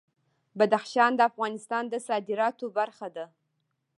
بدخشان د افغانستان د صادراتو برخه ده.